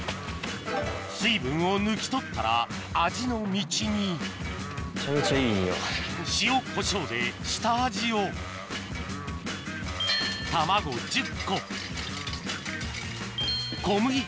水分を抜き取ったら味の道に塩コショウでうわ重っ。